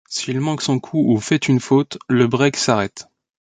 S'il manque son coup ou fait une faute, le break s'arrête.